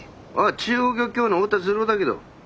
中央漁協の太田滋郎だけど。